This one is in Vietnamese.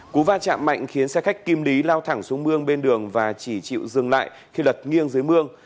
cú va chạm mạnh khiến xe khách kim lý lao thẳng xuống mương bên đường và chỉ chịu dừng lại khi lật nghiêng dưới mương